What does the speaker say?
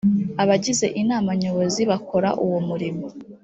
abagize inama nyobozi bakora uwo murimo